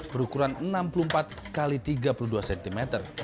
berukuran enam puluh empat x tiga puluh dua cm